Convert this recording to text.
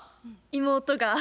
妹が。